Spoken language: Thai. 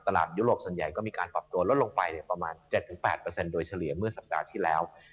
ยุโรปส่วนใหญ่ก็มีการปรับตัวลดลงไปประมาณ๗๘โดยเฉลี่ยเมื่อสัปดาห์ที่แล้ว